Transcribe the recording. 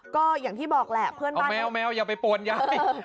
ก็อย่างที่บอกแหละเพื่อนบ้านแมวแมวอย่าไปปวนยาย